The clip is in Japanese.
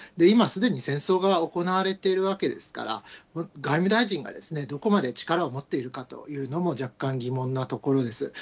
今、すでに戦争が行われているわけですから、外務大臣がどこまで力を持っているかというのも、若干、疑問なところです。